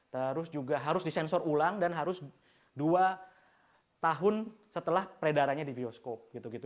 terus juga harus disensor ulang dan harus dua tahun setelah peredarannya di bioskop gitu